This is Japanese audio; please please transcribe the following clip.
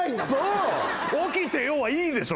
「起きてよ」はいいでしょ